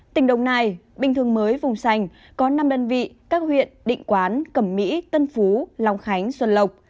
tỉnh đồng nai bình thường mới vùng sành có năm đơn vị các huyện định quán cẩm mỹ tân phú long khánh xuân lộc